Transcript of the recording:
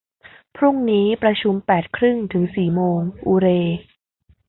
พรุ่งนี้ประชุมแปดครึ่งถึงสี่โมง อูเร